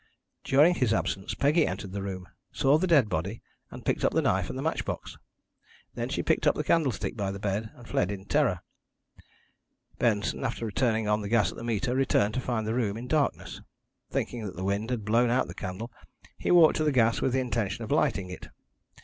"During his absence Peggy entered the room, saw the dead body, and picked up the knife and the match box. Then she picked up the candlestick by the bed, and fled in terror. Benson, after turning on the gas at the meter, returned to find the room in darkness. Thinking that the wind had blown out the candle, he walked to the gas with the intention of lighting it.